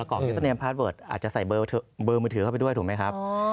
อกดิสเนียมพาร์ทเวิร์ดอาจจะใส่เบอร์มือถือเข้าไปด้วยถูกไหมครับ